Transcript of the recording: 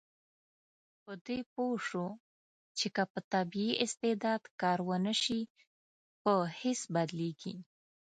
په دې پوه شو چې که په طبیعي استعداد کار ونشي، په هېڅ بدلیږي.